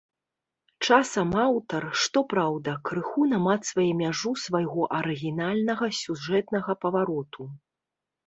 Часам аўтар, што праўда, крыху намацвае мяжу свайго арыгінальнага сюжэтнага павароту.